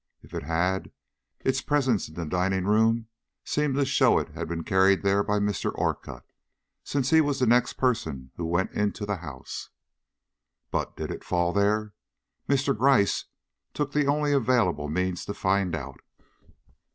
If it had, its presence in the dining room seemed to show it had been carried there by Mr. Orcutt, since he was the next person who went into the house. But did it fall there? Mr. Gryce took the only available means to find out.